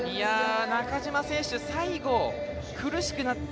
中島選手、最後苦しくなって